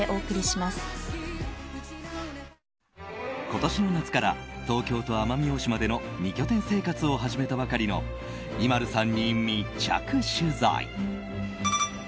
今年の夏から東京と奄美大島での２拠点生活を始めたばかりのＩＭＡＬＵさんに密着取材。